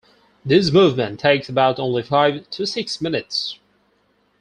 This movement takes about only five to six minutes.